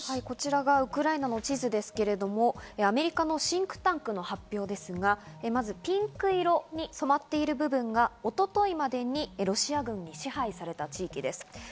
こちらがウクライナの地図ですが、アメリカのシンクタンクの発表ですが、まずピンク色に染まっている部分が一昨日までにロシア軍に支配された地域です。